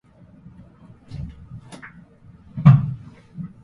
魔王に占拠された東京を取り戻す。それがストーリーだった。